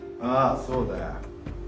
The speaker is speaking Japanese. ああそうだよ